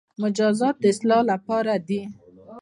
مجازات د اصلاح لپاره دي